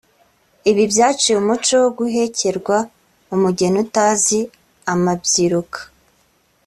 Ibi byaciye umuco wo guhekerwa umugeni utazi amabyiruka